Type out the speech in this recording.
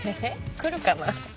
くるかな？